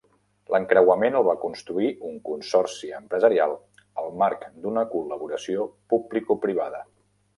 L'encreuament el va construir un consorci empresarial al marc d'una col·laboració publicoprivada.